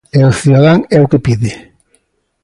E o cidadán é o que pide.